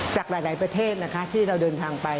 จากหลายประเทศนะคะที่เราเดินทางไป